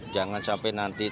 jangan sampai nanti